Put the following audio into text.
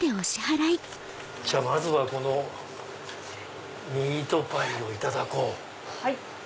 まずはこのミートパイをいただこう。